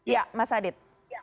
ya mas adit